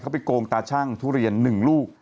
เขาไปโกงตาชั่งทุเรียน๑ลูก